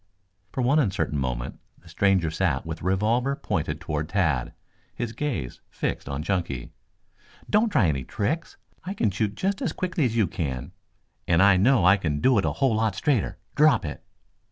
For one uncertain moment the stranger sat with revolver pointed toward Tad, his gaze fixed on Chunky. "Don't try any tricks. I can shoot just as quickly as you can, and I know I can do it a whole lot straighter. Drop it!"